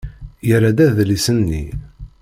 Yerra-d adlis-nni.